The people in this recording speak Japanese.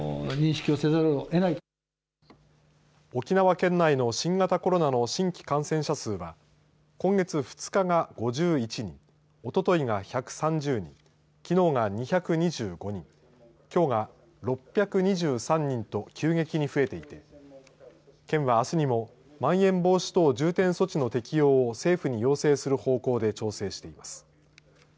沖縄県内の新型コロナの新規感染者数は今月２日が５１人おとといが１３０人きのうが２２５人きょうが６２３人と急激に増えていて県は、あすにもまん延防止等重点措置の適用を政府に要請する方向で調整しています。